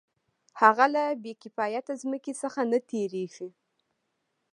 هغه له بې کفایته ځمکې څخه نه تېرېږي